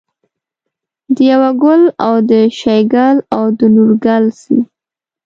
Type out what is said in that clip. دېوه ګل او د شیګل او د نورګل سي